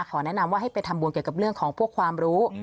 แนะนำว่าให้ไปทำบุญเกี่ยวกับเรื่องของพวกความรู้